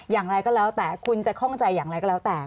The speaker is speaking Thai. อย่างไรก็แล้วแต่คุณจะคล่องใจอย่างไรก็แล้วแต่